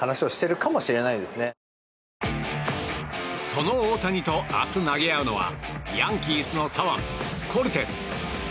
その大谷と明日、投げ合うのはヤンキースの左腕、コルテス。